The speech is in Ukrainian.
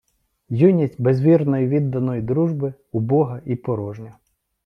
Юність без вірної, відданої дружби — убога і порожня.